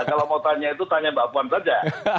kalau mau tanya itu tanya mbak puan saja